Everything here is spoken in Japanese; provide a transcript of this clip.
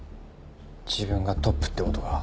自分がトップって事か。